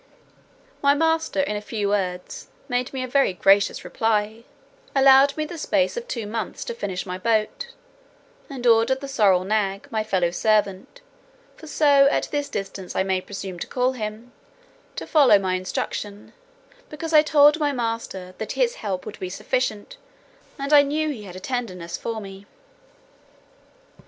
My master, in a few words, made me a very gracious reply; allowed me the space of two months to finish my boat; and ordered the sorrel nag, my fellow servant (for so, at this distance, I may presume to call him), to follow my instruction; because I told my master, "that his help would be sufficient, and I knew he had a tenderness for me."